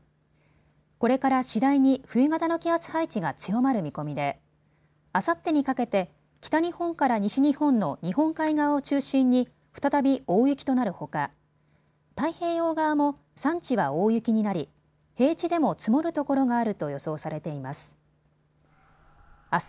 これから次第に冬型の気圧配置が強まる見込みであさってにかけて北日本から西日本の日本海側を中心に再び大雪となるほか太平洋側も山地は大雪になり平地でも積もるところがあると予想されています。